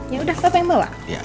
ya udah papa yang bawa